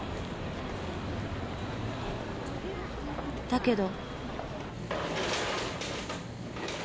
だけど。